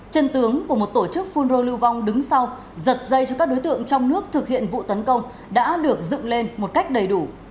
chân tướng của một tổ chức phun rô lưu vong đứng sau giật dây cho các đối tượng trong nước thực hiện vụ tấn công đã được dựng lên một cách đầy đủ